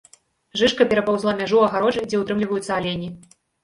Жыжка перапаўзла мяжу агароджы, дзе ўтрымліваюцца алені.